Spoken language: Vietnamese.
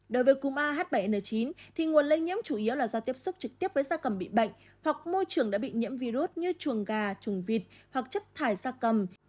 đối với cúm ah bảy n chín thì nguồn lây nhiễm chủ yếu là do tiếp xúc trực tiếp với da cầm bị bệnh hoặc môi trường đã bị nhiễm virus như chuồng gà trùng vịt hoặc chất thải gia cầm